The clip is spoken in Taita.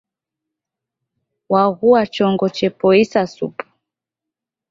Waghua chongo chepoisa supu.